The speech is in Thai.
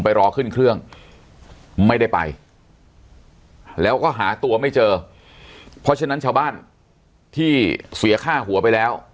รอขึ้นเครื่องไม่ได้ไปแล้วก็หาตัวไม่เจอเพราะฉะนั้นชาวบ้านที่เสียค่าหัวไปแล้ว